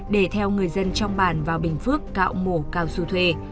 để theo người dân trong bản vào bình phước cạo mổ cao su thuê